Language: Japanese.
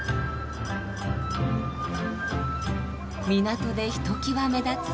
港でひときわ目立つ